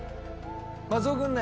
松尾君ね